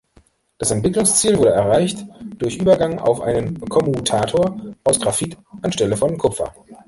Das Entwicklungsziel wurde erreicht durch Übergang auf einen Kommutator aus Graphit anstelle von Kupfer.